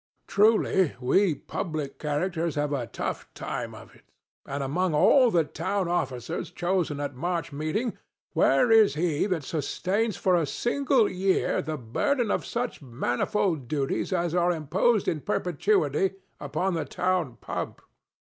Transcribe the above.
Truly, we public characters have a tough time of it! And among all the town officers chosen at March meeting, where is he that sustains for a single year the burden of such manifold duties as are imposed in perpetuity upon the town pump?